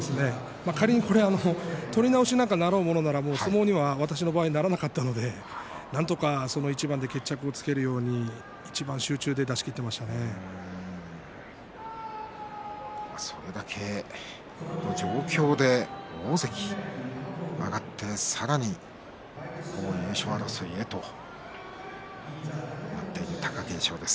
仮に取り直しになろうものなら私の場合、相撲にならなかったのでなんとかその一番で決着をつけるようにそれだけその状況で大関に上がってさらに優勝争いへと向かっていく貴景勝です。